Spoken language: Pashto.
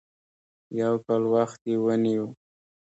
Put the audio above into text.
يو کال وخت یې ونیو.